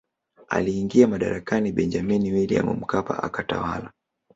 Aliingia madarakani Benjamini Williamu Mkapa akatawala